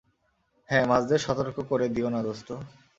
হ্যাঁ, মাছদের সতর্ক করে দিও না, দোস্ত।